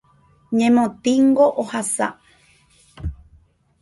Ñemotĩngo ohasa.